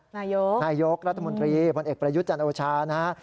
นายกรัฐมนตรีพลเอกประยุทธ์จันทร์โอชานะฮะ